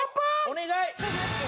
お願い！